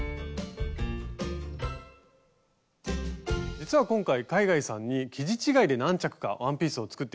実は今回海外さんに生地違いで何着かワンピースを作って頂きました。